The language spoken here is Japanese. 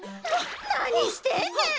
なにしてんねん！